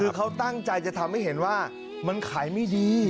คือเขาตั้งใจจะทำให้เห็นว่ามันขายไม่ดี